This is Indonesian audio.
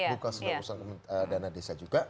bukan sekedar urusan dana desa